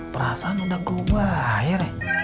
perasaan udah gue bayar ya